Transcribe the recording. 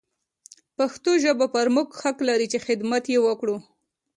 پښتو ژبه پر موږ حق لري چې حدمت يې وکړو.